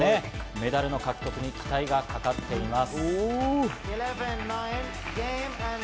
メダルの獲得に期待がかかっています。